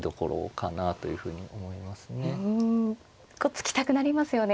突きたくなりますよね